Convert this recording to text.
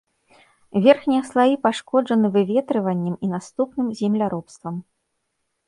Верхнія слаі пашкоджаны выветрываннем і наступным земляробствам.